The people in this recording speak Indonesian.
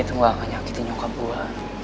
itu gak akan menyakiti nyokap gue